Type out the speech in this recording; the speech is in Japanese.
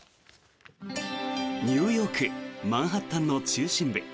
ニューヨーク・マンハッタンの中心部。